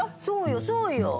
そうよそうよ。